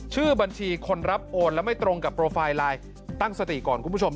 ชื่อบัญชีคนรับโอนแล้วไม่ตรงกับโปรไฟล์ไลน์ตั้งสติก่อนคุณผู้ชม